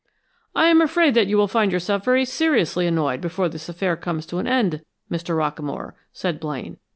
"I am afraid that you will find yourself very seriously annoyed before this affair comes to an end, Mr. Rockamore," said Blaine.